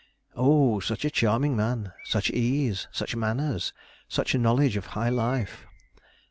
'Oh such a charming man! Such ease! such manners! such knowledge of high life!'